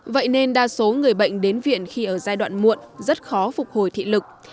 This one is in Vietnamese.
vậy nên đa số người bệnh đến viện khi ở giai đoạn muộn rất khó phục hồi thị lực